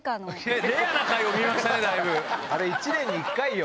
あれ一年に１回よ。